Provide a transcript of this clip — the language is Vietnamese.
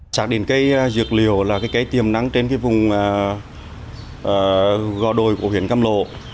xác định cây dược liều là cây tiềm nắng trên vùng gò đồi của huyện cam lộ